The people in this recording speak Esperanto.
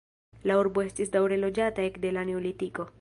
La urbo estis daŭre loĝata ekde la neolitiko.